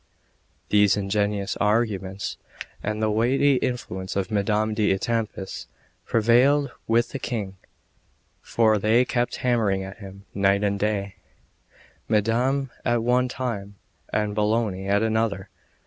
These ingenious arguments, and the weighty influence of Madame d'Etampes, prevailed with the King; for they kept hammering at him night and day, Madame at one time, and Bologna at another.